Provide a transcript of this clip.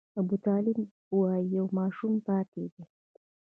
ابوطالب وايي یو ماشوم پاتې دی.